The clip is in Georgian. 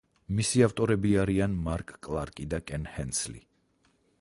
მისი ავტორები არიან მარკ კლარკი და კენ ჰენსლი.